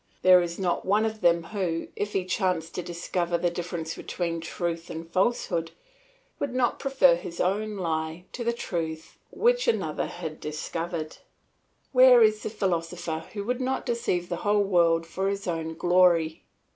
There is not one of them who, if he chanced to discover the difference between truth and falsehood, would not prefer his own lie to the truth which another had discovered. Where is the philosopher who would not deceive the whole world for his own glory?